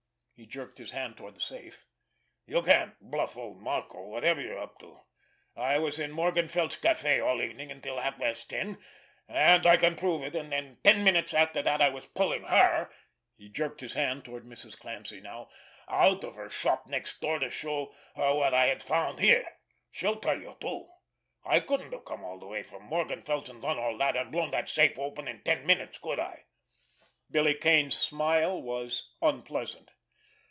He jerked his hand toward the safe. "You can't bluff old Marco, whatever you're up to! I was in Morgenfeldt's café all evening until half past ten, and I can prove it; and ten minutes after that I was pulling her"—he jerked his hand toward Mrs. Clancy now—"out of her shop next door to show her what I had found here. She'll tell you so, too! I couldn't have come all the way from Morgenfeldt's, and done all that, and blown that safe open in ten minutes, could I?" Billy Kane's smile was unpleasant.